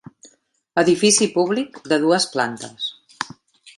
Edifici públic de dues plantes.